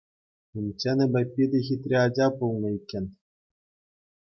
Унччен эпӗ питӗ хитре ача пулнӑ иккен.